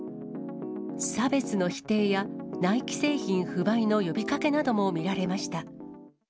差別の否定やナイキ製品不買の呼びかけなども見られました。